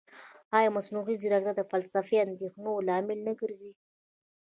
ایا مصنوعي ځیرکتیا د فلسفي اندېښنو لامل نه ګرځي؟